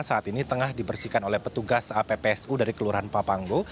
saat ini tengah dibersihkan oleh petugas ppsu dari kelurahan papanggo